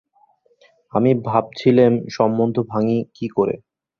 আমি ভাবছিলেম, সম্মন্ধ ভাঙি কী করে।